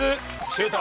シュート！